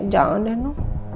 jangan deh no